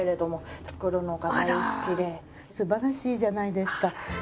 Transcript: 素晴らしいじゃないですか。